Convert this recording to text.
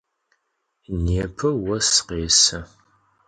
Nêpe vos khêsı.